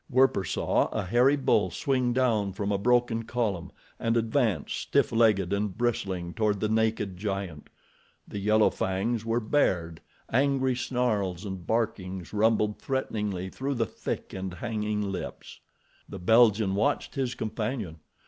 Werper saw a hairy bull swing down from a broken column and advance, stiff legged and bristling, toward the naked giant. The yellow fangs were bared, angry snarls and barkings rumbled threateningly through the thick and hanging lips. The Belgian watched his companion.